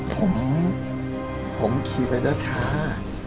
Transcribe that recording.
ผมขี่ไปช้า